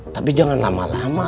tapi jangan lama lama